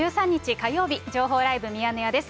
火曜日、情報ライブミヤネ屋です。